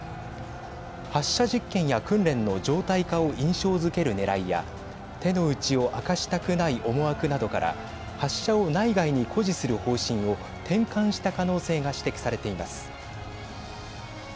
発射実験や訓練の常態化を印象づけるねらいや手のうちを明かしたくない思惑などから発射を内外に誇示する方針を転換した可能性が指摘されています。